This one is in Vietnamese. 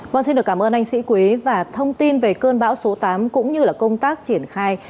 vâng xin được cảm ơn anh sĩ quý và thông tin về cơn bão số tám cũng như là công tác triển khai